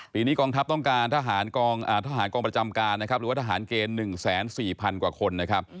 ปีนี้กองทับต้องการทหารประจำการหรือว่าทหารเกณฑ์๑๑๐๐๐๐คนนะครับ